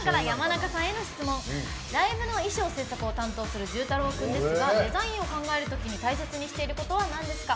「ライブの衣装制作を担当する柔太朗君ですがデザインを考えるときに大切にしていることはなんですか？」。